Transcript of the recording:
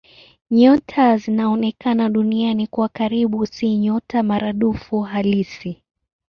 Nyota zinazoonekana Duniani kuwa karibu si nyota maradufu halisi.